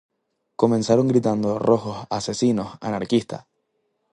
Comenzaron gritando "¡Rojos!, ¡Asesinos!, ¡Anarquista!